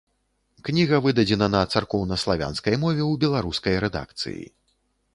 Кніга выдадзена на царкоўнаславянскай мове ў беларускай рэдакцыі.